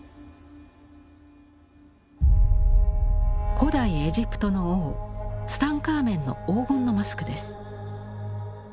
古代エジプトの王ツタンカーメンの黄金のマスクです。